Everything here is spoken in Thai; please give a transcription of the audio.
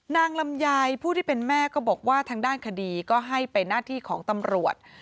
ลำไยผู้ที่เป็นแม่ก็บอกว่าทางด้านคดีก็ให้เป็นหน้าที่ของตำรวจ